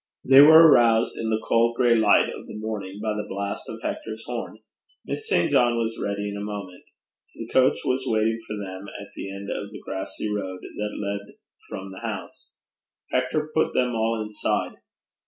They were aroused in the cold gray light of the morning by the blast of Hector's horn. Miss St. John was ready in a moment. The coach was waiting for them at the end of the grassy road that led from the house. Hector put them all inside.